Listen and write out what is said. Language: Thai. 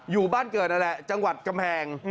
อยู่บ้านเกิดนั่นแหละจังหวัดกำแพง